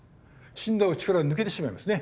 死んだ方は力が抜けてしまいますね。